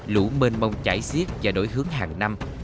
lũ mênh mông chảy xiết và đổi hướng hàng năm